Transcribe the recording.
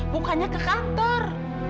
bukannya ke kantor